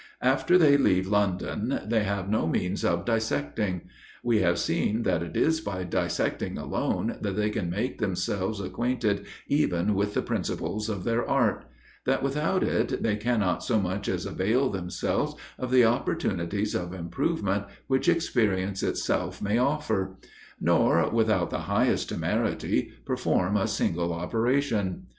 After they leave London they have no means of dissecting. We have seen that it is by dissecting alone, that they can make themselves acquainted even with the principles of their art; that without it they cannot so much as avail themselves of the opportunities of improvement, which experience itself may offer, nor, without the highest temerity, perform a single operation.